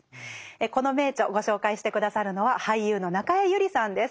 この名著ご紹介して下さるのは俳優の中江有里さんです。